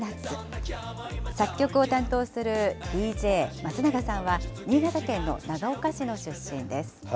作曲を担当するＤＪ松永さんは、新潟県の長岡市の出身です。